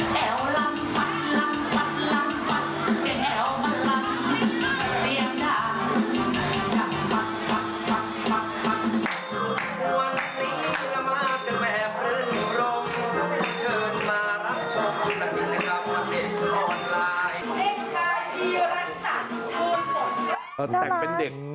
แต่แต่งเป็นเด็ก